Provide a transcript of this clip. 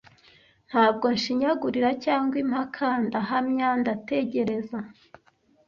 Ntabwo nshinyagurira cyangwa impaka, ndahamya ndategereza.